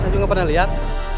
aku gak pernah liat